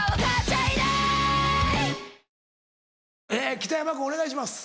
北山君お願いします。